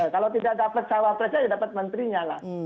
kalau tidak dapat cak wapresnya ya dapat menterinya lah